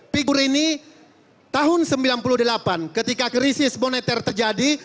figur ini tahun sembilan puluh delapan ketika krisis moneter terjadi